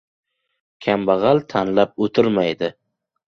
• Kambag‘al tanlab o‘tirmaydi.